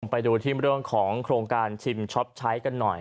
ไปดูที่เรื่องของโครงการชิมช็อปใช้กันหน่อย